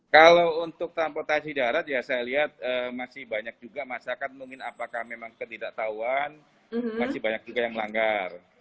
kalau untuk transportasi darat ya saya lihat masih banyak juga masyarakat mungkin apakah memang ketidaktahuan masih banyak juga yang melanggar